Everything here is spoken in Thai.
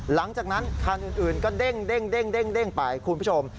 หลังจากนั้นคันอื่นก็เด้งไปคุณผู้ชม